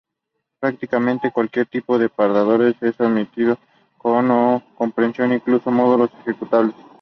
Prácticamente cualquier tipo de portador es admitido, con o sin compresión, incluso módulos ejecutables.